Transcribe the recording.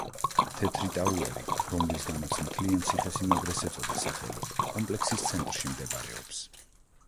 თეთრი ტაუერი, რომლისგანაც მთლიან ციხესიმაგრეს ეწოდა სახელი, კომპლექსის ცენტრში მდებარეობს.